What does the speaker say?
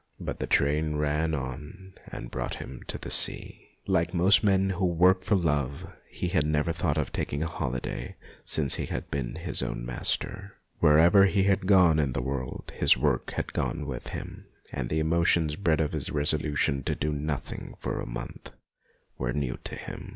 But the train ran on and brought him to the sea. Like most men who work for love, he had never thought of taking a holiday since he had been his own master ; wher ever he had gone in the world his work had gone with him, and the emotions bred of his resolution to do nothing for a month were new to him.